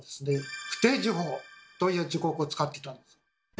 「不定時法」という時刻を使っていたんです。